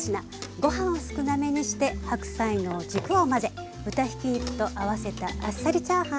ご飯を少なめにして白菜の軸を混ぜ豚ひき肉と合わせたあっさりチャーハン。